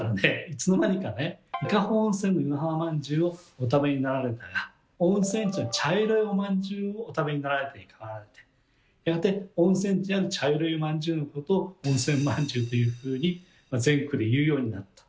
いつの間にかね「伊香保温泉の湯の花まんじゅうをお食べになられた」が「温泉地の茶色いおまんじゅうをお食べになられた」に変わってやがて温泉地にある茶色いおまんじゅうのことを「温泉まんじゅう」というふうに全国で言うようになった。